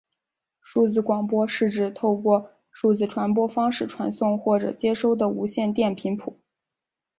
数字广播是指透过数字传播方式传送或者接收无线电频谱。